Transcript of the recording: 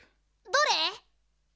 どれ？